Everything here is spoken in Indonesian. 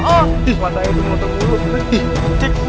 suatanya itu mau tembus